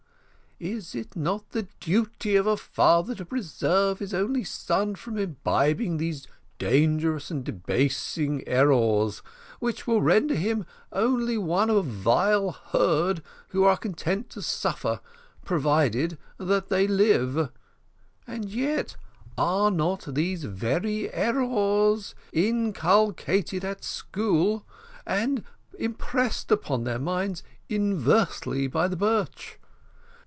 Is it not the duty of a father to preserve his only son from imbibing these dangerous and debasing errors, which will render him only one of a vile herd who are content to suffer, provided that they live? And yet are not these very errors inculcated at school, and impressed upon their mind inversely by the birch?